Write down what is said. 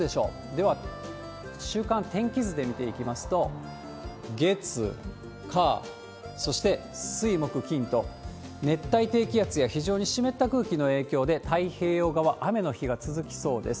では、週間天気図で見ていきますと、月、火、そして水、木、金と熱帯低気圧や非常に湿った空気の影響で、太平洋側、雨の日が続きそうです。